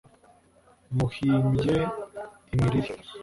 muhimbye imiriri